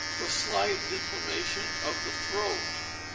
For Slight Inflammation of the Throat.